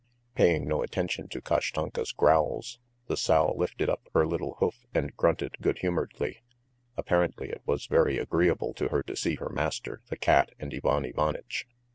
Paying no attention to Kashtanka's growls, the sow lifted up her little hoof and grunted good humouredly. Apparently it was very agreeable to her to see her master, the cat, and Ivan Ivanitch.